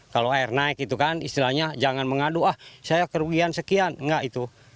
kalau air naik itu kan istilahnya jangan mengadu ah saya kerugian sekian enggak itu